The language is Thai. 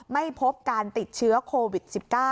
ไม่พบการติดเชื้อโควิด๑๙